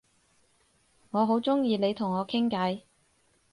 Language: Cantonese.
我好鍾意你同我傾偈